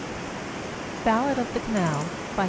Ballad of the Canal [Ed.